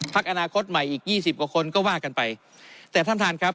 อนาคตใหม่อีกยี่สิบกว่าคนก็ว่ากันไปแต่ท่านท่านครับ